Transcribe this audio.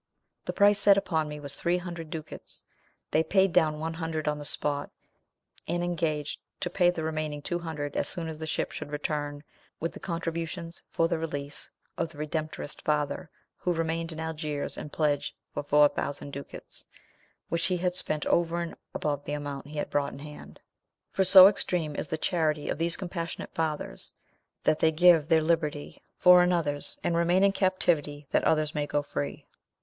The price set upon me was three hundred ducats; they paid down one hundred on the spot, and engaged to pay the remaining two hundred as soon as the ship should return with the contributions for the release of the Redemptorist father who remained in Algiers in pledge for four thousand ducats, which he had spent over and above the amount he had brought in hand; for so extreme is the charity of these compassionate fathers, that they give their liberty for another's, and remain in captivity that others may go free.